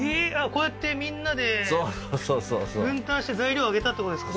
こうやってみんなでそうそうそうそうそう分担して材料上げたってことですか？